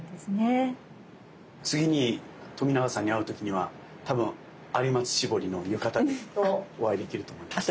次に冨永さんに会う時には多分有松絞りの浴衣でお会いできると思います。